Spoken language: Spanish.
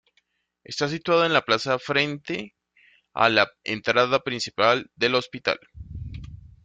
Está situada en la plaza frente a la entrada principal del hospital.